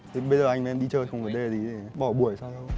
thế bây giờ anh với em đi chơi không có vấn đề gì để bỏ buổi hay sao đâu